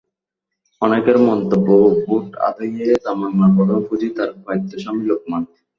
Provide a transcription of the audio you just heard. অনেকের মন্তব্য, ভোট আদায়ে তামান্নার প্রধান পুঁজি তাঁর প্রয়াত স্বামী লোকমান।